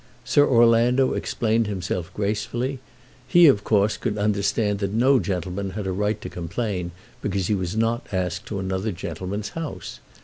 Sir Orlando explained himself gracefully. He of course could understand that no gentleman had a right to complain because he was not asked to another gentleman's house.